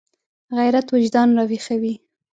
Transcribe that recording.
غیرت وجدان راویښوي